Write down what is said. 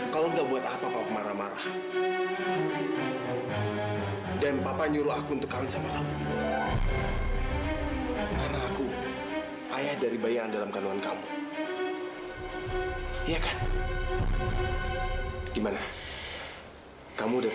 katanya nyuruh gue nunggu